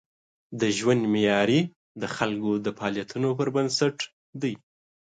د ژوند معیاري د خلکو د فعالیتونو پر بنسټ دی.